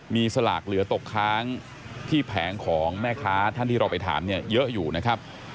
มีสลากเหลือตกค้างที่แผงของแม่ค้าท่านที่เราไปถามเนี่ยเยอะอยู่นะครับ